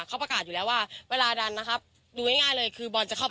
เขาประกาศอยู่แล้วว่าเวลาดันนะครับดูง่ายง่ายเลยคือบอลจะเข้าไป